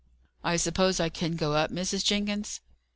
"I suppose I can go up, Mrs. Jenkins?"